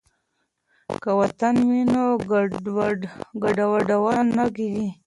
که وطن وي نو کډوال نه کیږي.